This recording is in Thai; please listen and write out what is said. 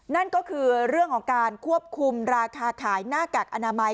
นั่นก็คือเรื่องของการควบคุมราคาขายหน้ากากอนามัย